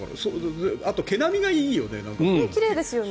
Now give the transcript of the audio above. あと毛並みがいいよね。